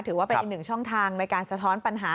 ถือว่าเป็นอีกหนึ่งช่องทางในการสะท้อนปัญหา